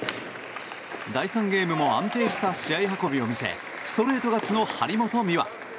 第３ゲームも安定した試合運びを見せストレート勝ちの張本美和。